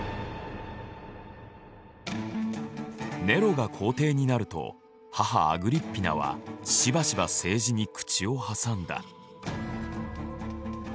ネロが皇帝になると母アグリッピナはしばしば政治に口を挟んだ。